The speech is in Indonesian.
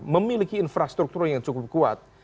memiliki infrastruktur yang cukup kuat